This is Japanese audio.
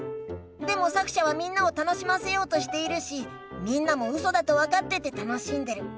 でもさくしゃはみんなを楽しませようとしているしみんなもウソだと分かってて楽しんでる。